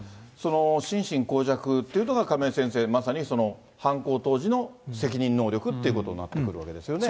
心神耗弱っていうのが、亀井先生、まさに犯行当時の責任能力っていうことになってくるわけですよね。